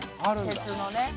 鉄のね。